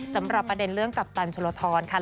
สำหรับประเด็นเรื่องกัปตันชลทรค่ะ